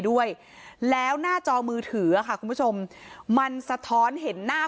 ด้วยแล้วหน้าจอมือถือค่ะคุณผู้ชมมันสะท้อนเห็นหน้า